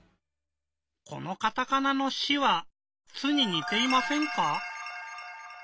このカタカナの「シ」は「ツ」ににていませんか？